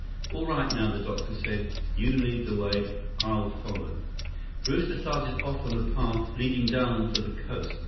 "All right, now," the doctor said. "You lead the way. I'll follow." Brewster started off on a path leading down to the coast.